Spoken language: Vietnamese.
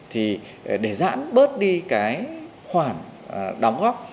thì để giãn bớt đi cái khoản đóng góp